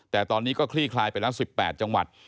แต่ตอนนี้ก็คลี่คลายไปแล้ว๑๘จังหวัด